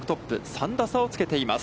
３打差をつけています。